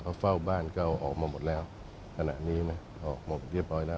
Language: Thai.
เขาเฝ้าบ้านก็ออกมาหมดแล้วขณะนี้นะออกหมดเรียบร้อยแล้ว